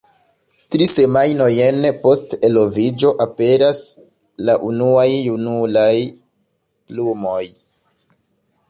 Tri semajnojn post eloviĝo, aperas la unuaj junulaj plumoj.